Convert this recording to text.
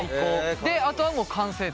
であとはもう完成と。